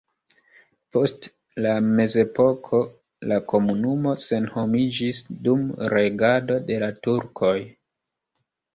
Post la mezepoko la komunumo senhomiĝis dum regado de la turkoj.